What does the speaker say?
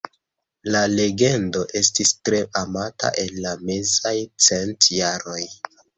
La legendo estis tre amata en la mezaj centjaroj.